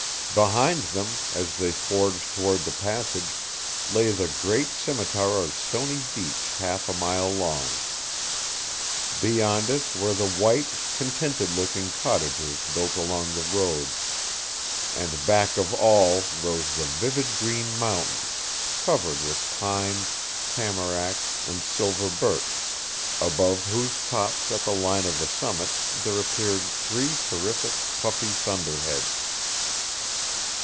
Behind them, as they forged toward the passage, lay the gray scimitar of stony beach half a mile long. Beyond it were the white, contented looking cottages built along the road, and back of all rose the vivid green mountains, covered with pine, tamarack, and silver birch, above whose tops at the line of the summit there appeared three terrific, puffy thunder heads.